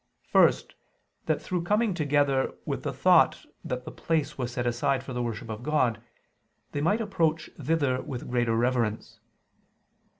First, that through coming together with the thought that the place was set aside for the worship of God, they might approach thither with greater reverence.